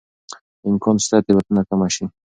امکان شته تېروتنه کمه شي.